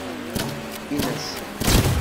In-asen